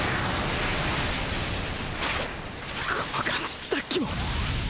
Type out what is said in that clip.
この感じさっきも